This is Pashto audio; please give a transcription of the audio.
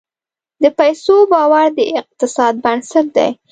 د پیسو باور د اقتصاد بنسټ دی.